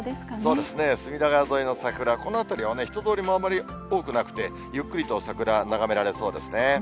そうですね、隅田川沿いの桜、この辺りは人通りもあんまり多くなくて、ゆっくりと桜、眺められそうですね。